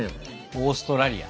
オーストラリア。